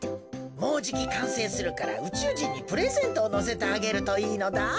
もうじきかんせいするからうちゅうじんにプレゼントをのせてあげるといいのだ。